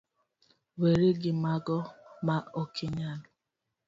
weri gimago ma okinyal.